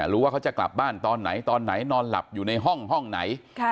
ว่าจะกลับบ้านตอนไหนตอนไหนนอนหลับอยู่ในห้องห้องไหน